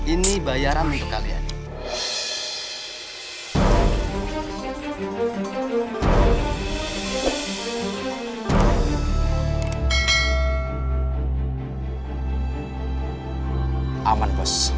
ini bayaran untuk kalian